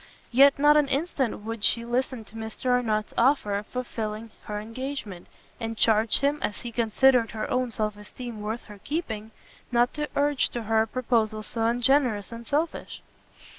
Yet not an instant would she listen to Mr Arnott's offer of fulfilling her engagement, and charged him, as he considered her own self esteem worth her keeping, not to urge to her a proposal so ungenerous and selfish.